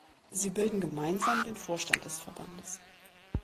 Sie bilden gemeinsam den Vorstand des Verbandes.